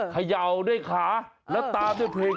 เขย่าด้วยขาแล้วตามด้วยเพลง